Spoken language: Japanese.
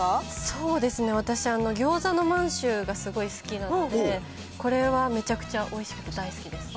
そうですね、私、ぎょうざの満州がすごい好きなので、これはめちゃくちゃおいしくて大好きです。